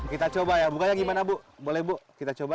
kita coba ya bukanya gimana bu boleh bu kita coba